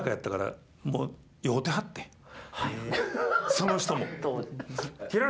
その人も。